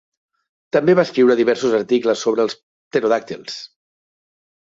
També va escriure diversos articles sobre els pterodàctils.